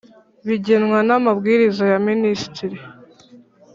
bigenwa n Amabwiriza ya Minisitiri